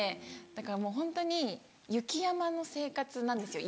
だからもうホントに雪山の生活なんですよ